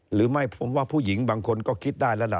หรือไม่ผมว่าผู้หญิงบางคนก็คิดได้แล้วล่ะ